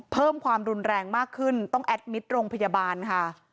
เพิ่มความรุนแรงมากขึ้นต้องแอดมิตรโรงพยาบาลค่ะ